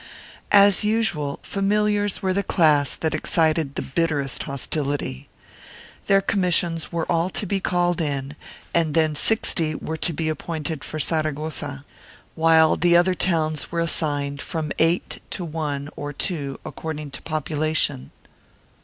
As usual, familiars were the class that excited the bitterest hostility. Their commissions were all to be called in and then sixty were to be appointed for Saragossa, while the other towns were assigned from eight to one or two according to population.